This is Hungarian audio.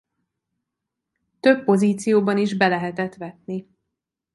Több pozícióban is be lehetett vetni.